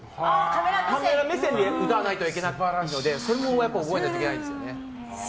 カメラ目線で歌わないといけないのでそれもやっぱ覚えなきゃいけないんですよね。